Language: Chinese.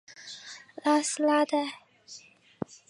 拉斯拉代。